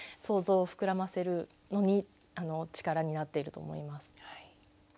想像を膨らませるのに力になっていると思います。